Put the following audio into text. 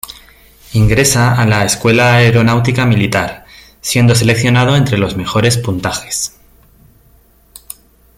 Ingresa a la Escuela Aeronáutica militar, siendo seleccionado entre los mejores puntajes.